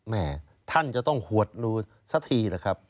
แม่ท่านจะต้องหวดรูสักทีหรือครับ